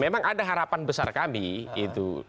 memang ada harapan besar kami itu